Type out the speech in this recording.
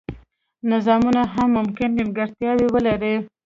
نظامونه هم ممکن نیمګړتیاوې ولري.